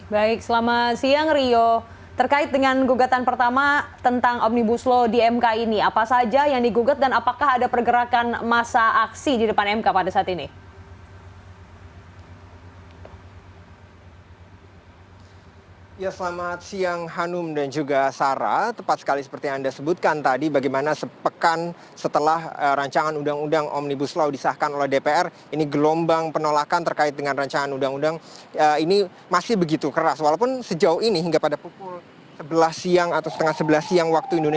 baik selamat siang rio terkait dengan gugatan pertama tentang omnibus law di mk ini apa saja yang digugat dan apakah ada pergerakan masa aksi di depan mk pada saat ini